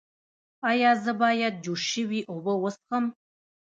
ایا زه باید جوش شوې اوبه وڅښم؟